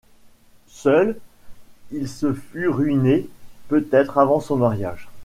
Seul, il se fût ruiné peut-être avant son mariage.